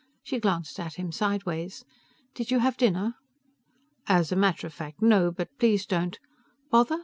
She glanced at him sideways. "Did you have dinner?" "As a matter of fact no. But please don't " "Bother?